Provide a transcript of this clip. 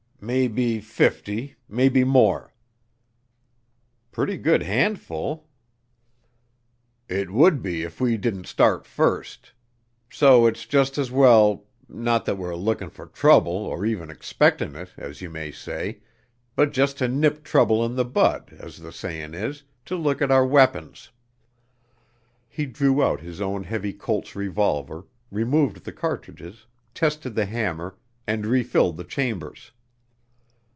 "Maybe fifty; maybe more." "Pretty good handful." "It would be if we didn't start first. So it's jus' as well not that we're lookin' fer trouble or even expectin' it, as you may say, but jus' to nip trouble in the bud, as the sayin' is, to look at our weapins." He drew out his own heavy Colt's revolver, removed the cartridges, tested the hammer, and refilled the chambers.